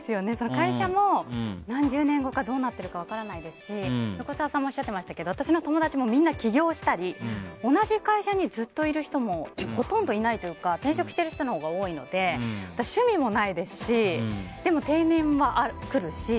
会社も何十年後にどうなっているか分からないですし、横澤さんもおっしゃっていましたけど私の友達も起業したり同じ会社にずっといる人もほとんどいないというか転職している人のほうが多いので私、趣味もないですしでも定年は来るし。